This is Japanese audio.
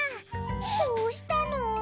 どうしたの？